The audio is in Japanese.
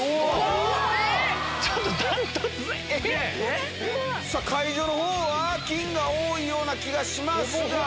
断トツえっ⁉会場のほうは金が多いような気がしますが。